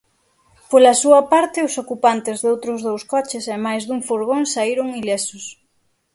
Pola súa parte, os ocupantes doutros dous coches e máis dun furgón saíron ilesos.